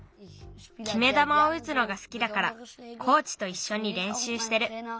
きめだまをうつのが好きだからコーチといっしょにれんしゅうしてる。